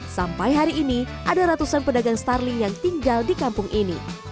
sampai hari ini ada ratusan pedagang starling yang tinggal di kampung ini